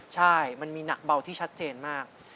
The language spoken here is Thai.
ใช่มันมีหนักเบาที่ชัดเจนมาก